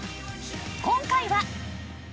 今回は。